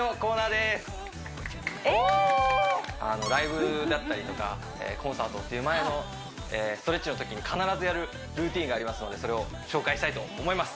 ライブだったりとかコンサートっていう前のストレッチのときに必ずやるルーティンがありますのでそれを紹介したいと思います